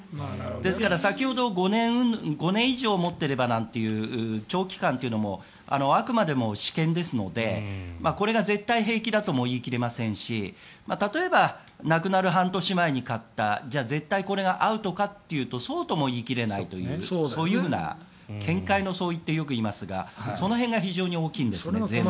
ですから先ほど５年以上持っていればなんていう長期間というのもあくまでも私見ですのでこれが絶対平気だとも言い切れませんし例えば亡くなる半年前に買ったじゃあこれが絶対アウトかというとそうとも言い切れないという見解の相違ってよく言いますがその辺が大きいですね。